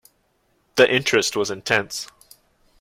The interest was intense.